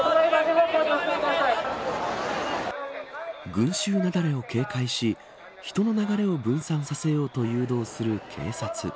群衆雪崩を警戒し人の流れを分散させようと誘導する警察。